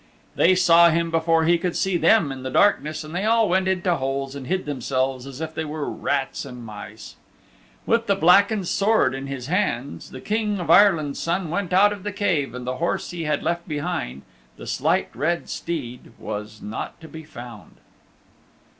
They saw him before he could see them in the darkness, and they all went into holes and hid themselves as if they were rats and mice. With the blackened sword in his hands the King of Ireland's Son went out of the Cave, and the horse he had left behind, the Slight Red Steed, was not to be found.